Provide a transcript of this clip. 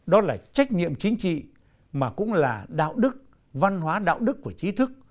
đó là trách nhiệm chính trị mà cũng là đạo đức văn hóa đạo đức của trí thức